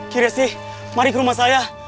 ki resi mari ke rumah saya